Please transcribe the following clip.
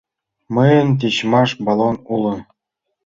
— Мыйын тичмаш баллон уло.